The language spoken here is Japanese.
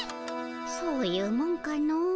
そういうもんかのう。